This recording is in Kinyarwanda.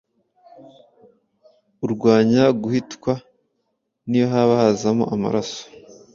urwanya guhitwa niyo haba hazamo amaraso